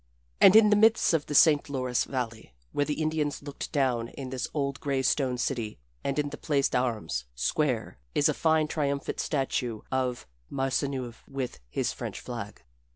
And in the midst of the St. Lawrence valley where the Indians looked down is this old gray stone city, and in the Place d'Armes square is a fine triumphant statue of Maisonneuve with his French flag.